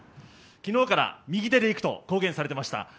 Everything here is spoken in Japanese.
昨日から右手でいくと公言されていました。